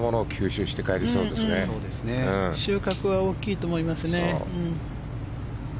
収穫は大きいと思いますね。